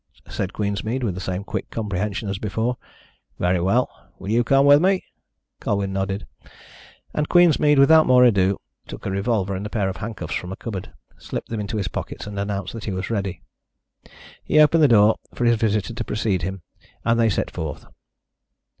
said Queensmead, with the same quick comprehension as before. "Very well. Will you come with me?" Colwyn nodded, and Queensmead, without more ado, took a revolver and a pair of handcuffs from a cupboard, slipped them into his pockets, and announced that he was ready. He opened the door for his visitor to precede him, and they set forth.